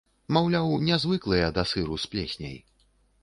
Маўляў, не звыклыя да сыру з плесняй.